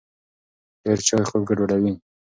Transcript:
ډېر چای خوب ګډوډوي.